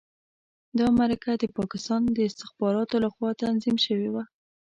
دا مرکه د پاکستان د استخباراتو لخوا تنظیم شوې وه.